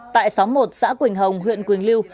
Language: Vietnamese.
tại xóm một xã quỳnh hồng huyện quỳnh lưu